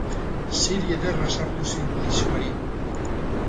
Ziri ederra sartu zion maisuari.